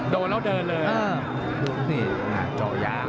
โดนแล้วเดินเลยนี่เจาะยาง